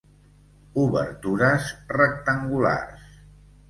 Obertures rectangulars.